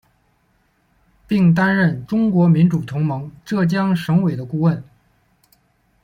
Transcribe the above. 并担任中国民主同盟浙江省委的顾问。